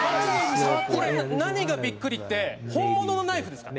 「これ何がビックリって本物のナイフですから」